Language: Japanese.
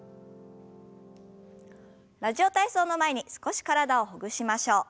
「ラジオ体操」の前に少し体をほぐしましょう。